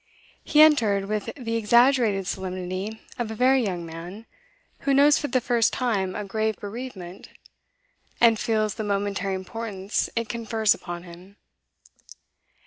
He entered with the exaggerated solemnity of a very young man who knows for the first time a grave bereavement, and feels the momentary importance it confers upon him.